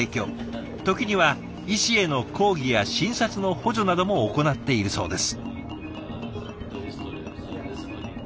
時には医師への講義や診察の補助なども行っているそうです。